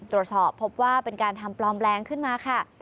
ตรวจสอบพบว่าเป็นการทำปลอมแรงขึ้นมาค่ะ